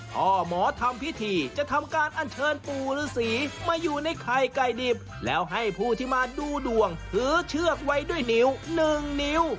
พ่อหมอทำพิธีจะทำการอันเชิญปู่ฤษีมาอยู่ในไข่ไก่ดิบแล้วให้ผู้ที่มาดูดวงถือเชือกไว้ด้วยนิ้วหนึ่งนิ้ว